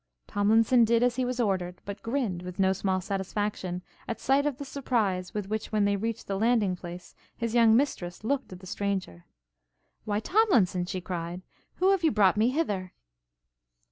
Tomlinson did as he was ordered, but grinned, with no small satisfaction, at sight of the surprise with which, when they reached the landing place, his young mistress looked at the stranger. 'Why, Tomlinson,' she cried, 'who have you brought me hither?'